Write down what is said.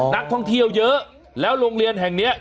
นักท่องเที่ยวเยอะแล้วโรงเรียนแห่งนี้